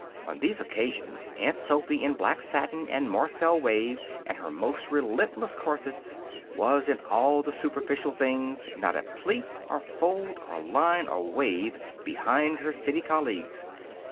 On these occasions Aunt Sophy, in black satin and marcel wave and her most relentless corsets, was, in all the superficial things, not a pleat or fold or line or wave behind her city colleagues.